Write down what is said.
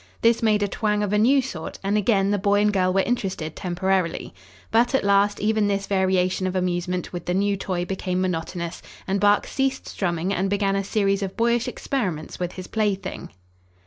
This made a twang of a new sort, and again the boy and girl were interested temporarily. But, at last, even this variation of amusement with the new toy became monotonous, and Bark ceased strumming and began a series of boyish experiments with his plaything.